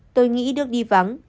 tôi nghĩ đức đi vắng